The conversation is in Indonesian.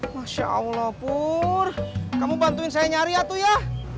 masya allah pur kamu bantuin saya nyari ya tuh ya